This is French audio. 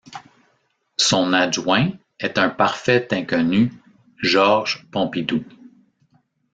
Son adjoint est un parfait inconnu, Georges Pompidou.